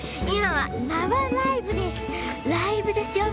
今は生ライブです。